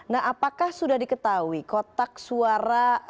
nah apakah sudah diketahui kotak suara